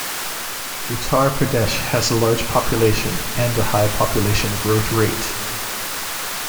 Uttar Pradesh has a large population and a high population growth rate.